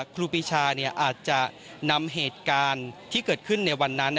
ครูปีชาอาจจะนำเหตุการณ์ที่เกิดขึ้นในวันนั้น